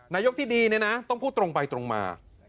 นายกที่ดีเนี่ยนะต้องพูดตรงไปตรงมา